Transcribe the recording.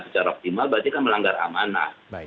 secara optimal berarti kan melanggar amanah